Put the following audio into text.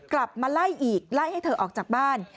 กลับมาไล่อีกไล่ให้เธอออกจากบ้าน